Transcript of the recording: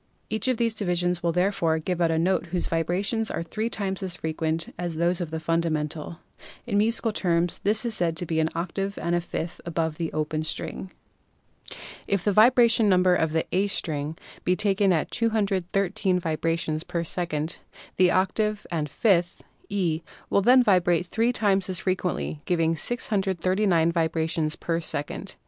Each of these divisions will therefore give out a note whose vibrations are three times as frequent as those of the fundamental ; in musical terms this note is said to be an octave and a fifth above the open string. If the vibration number of the A string be taken at 213 vibrations per second, the octave and fifth (E') will then vibrate three times as frequently, giving 639 vibrations per second.